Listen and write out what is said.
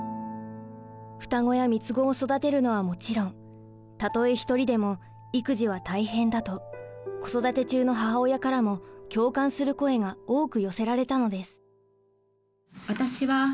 双子や三つ子を育てるのはもちろんたとえ一人でも育児は大変だと子育て中の母親からも共感する声が多く寄せられたのです。